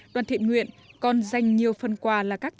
đoàn thiện nguyện còn dành nhiều phần quà